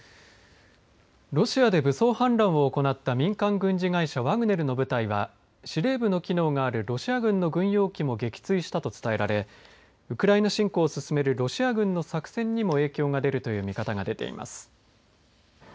ロシアで武装反乱を行った民間軍事会社ワグネルの部隊は司令部の機能があるロシア軍の軍用機も撃墜したと伝えられウクライナ侵攻を進めるロシア軍の作戦にも影響が出るという見方が出ています。